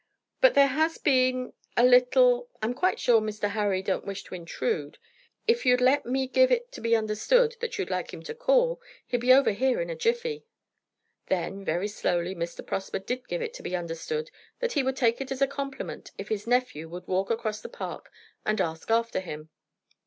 "But there has been a little I'm quite sure Mr. Harry don't wish to intrude. If you'd let me give it to be understood that you'd like him to call, he'd be over here in a jiffy." Then, very slowly, Mr. Prosper did give it to be understood that he would take it as a compliment if his nephew would walk across the park and ask after him.